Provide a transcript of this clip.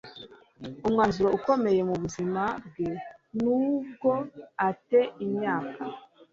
umwanzuro ukomeye mu buzima bwe Nubwo a te imyaka